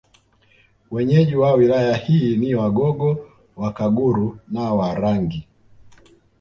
Wenyeji wa Wilaya hii ni Wagogo Wakaguru na Warangi